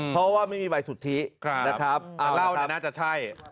เพราะว่าไม่มีใบสุทธินะครับเล่าเนี่ยน่าจะใช่